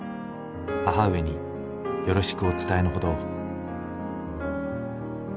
母上によろしくお伝えの程を」。